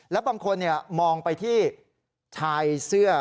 แล้วบางคนมองไปที่ชายเสื้อ